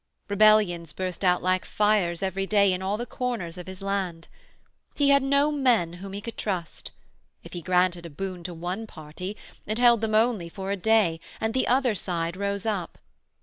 Rebellions burst out like fires every day in all the corners of his land. He had no men whom he could trust: if he granted a boon to one party it held them only for a day, and the other side rose up.